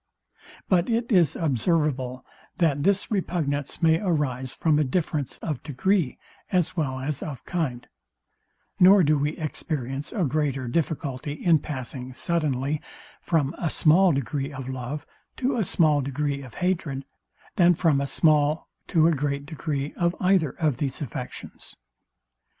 But it is observable, that this repugnance may arise from a difference of degree as well as of kind; nor do we experience a greater difficulty in passing suddenly from a small degree of love to a small degree of hatred, than from a small to a great degree of either of these affections.